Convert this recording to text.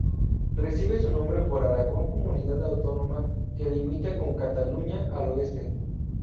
Recibe su nombre por Aragón, comunidad autónoma que limita con Cataluña al oeste.